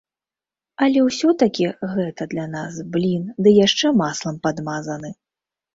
Але ўсё-такі гэта для нас блін ды яшчэ маслам падмазаны.